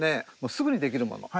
すぐにできるもの。